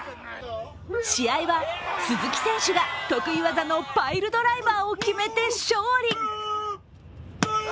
試合は鈴木選手が得意技のパイルドライバーを決めて勝利。